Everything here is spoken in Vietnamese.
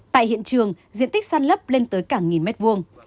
tại hiện trường diện tích sàn lấp lên tới cả nghìn mét vuông